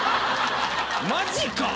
マジか！